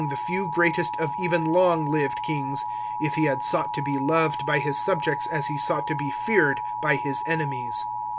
the few greatest of even long lived kings, if he had sought to be loved by his subjects as he sought to be feared by his enemies."